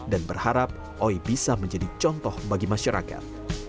dan berharap oi bisa menjadi contoh bagi masyarakat